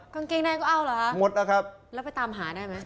แล้วไปตามหาได้ไหม